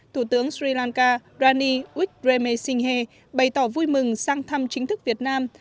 thủ tướng sri lanka rani uyghurame singh bày tỏ vui mừng sang thăm chính thức việt nam